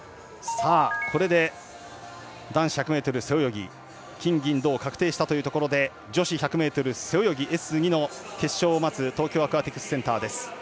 これで、男子１００ｍ背泳ぎ金、銀、銅が確定したというところで女子１００ｍ背泳ぎＳ２の決勝を待つ東京アクアティクスセンターです。